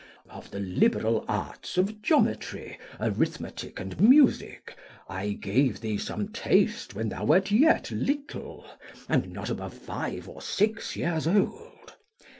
Of the liberal arts of geometry, arithmetic, and music, I gave thee some taste when thou wert yet little, and not above five or six years old.